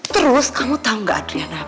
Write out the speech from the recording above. terus kamu tau gak adriana